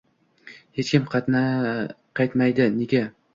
Hech kim qaytmaydi. Nega?